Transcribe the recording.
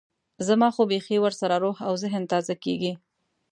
زما خو بيخي ورسره روح او ذهن تازه کېږي.